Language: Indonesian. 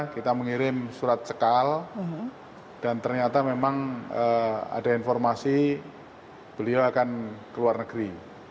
kita mengirim surat cekal dan ternyata memang ada informasi beliau akan ke luar negeri